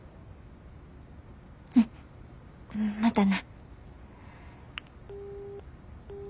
うんまたな。